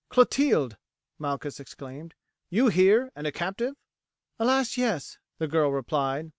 "Clotilde!" Malchus exclaimed, "you here, and a captive?" "Alas! yes," the girl replied.